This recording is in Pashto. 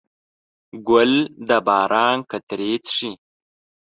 ګل د باران قطرې څښي.